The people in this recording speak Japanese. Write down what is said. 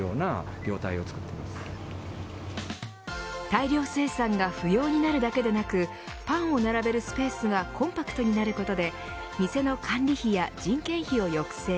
大量生産が不要になるだけでなくパンを並べるスペースがコンパクトになることで店の管理費や人件費を抑制。